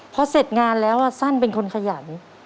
พอเสร็จงานแล้วสั้นเป็นคนขยัน